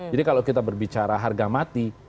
jadi kalau kita berbicara harga mati